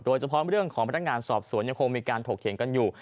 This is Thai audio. โดยเฉพาะเรื่องของพนักงานสอบสวนยังคงมีการถกเถียงกันอยู่